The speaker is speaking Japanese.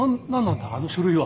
あの書類は。